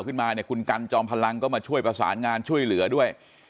ขึ้นมาเนี่ยคุณกันจอมพลังก็มาช่วยประสานงานช่วยเหลือด้วย